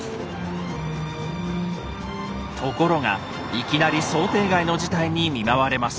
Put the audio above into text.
ところがいきなり想定外の事態に見舞われます。